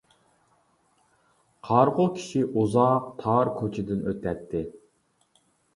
قارىغۇ كىشى ئۇزاق تار كوچىدىن ئۆتەتتى.